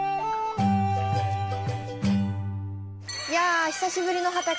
いや久しぶりの畑。